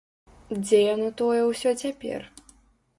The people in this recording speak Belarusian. Дзе яно тое ўсё цяпер?